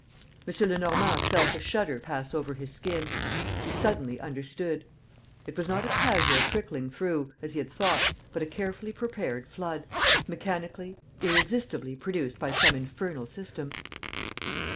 ..." M. Lenormand felt a shudder pass over his skin. He suddenly understood. It was not a casual trickling through, as he had thought, but a carefully prepared flood, mechanically, irresistibly produced by some infernal system.